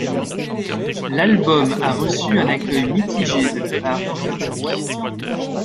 L'album a reçu un accueil mitigé de la part des critiques.